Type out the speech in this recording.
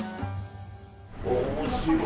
面白い。